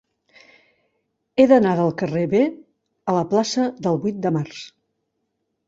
He d'anar del carrer B a la plaça del Vuit de Març.